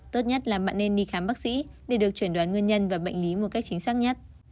tốt nhất là bạn nên đi khám bác sĩ để được chuẩn đoán nguyên nhân và bệnh lý một cách chính xác nhất